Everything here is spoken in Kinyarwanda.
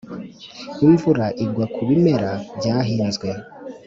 Imvura igwa ku bimera byahinzwe.